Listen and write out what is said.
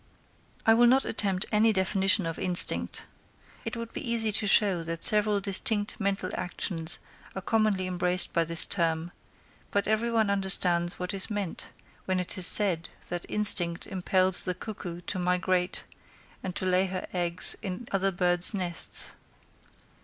I will not attempt any definition of instinct. It would be easy to show that several distinct mental actions are commonly embraced by this term; but every one understands what is meant, when it is said that instinct impels the cuckoo to migrate and to lay her eggs in other birds' nests.